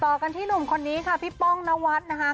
กันที่หนุ่มคนนี้ค่ะพี่ป้องนวัดนะคะ